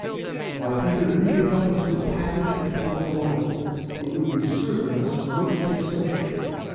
"Why, Peter, if you could help us to a passage to Port Royal, it would be serving us most essentially.